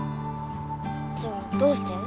じゃあどうして？